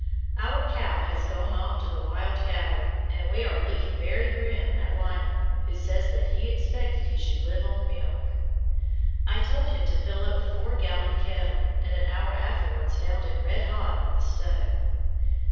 Our cow has gone off to the wild cattle, and we are looking very grim at Lyman, who says that he expected he should live on milk. I told him to fill up the four gallon kettle, and an hour afterwards found it red hot on the stove.